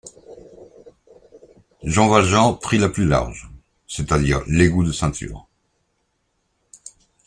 Jean Valjean prit la plus large, c’est-à-dire l’égout de ceinture.